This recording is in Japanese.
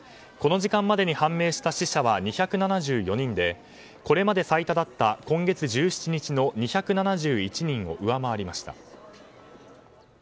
この時間までに判明した死者は２７４人でこれまで最多だった今月１７日の２７１人を上回りました。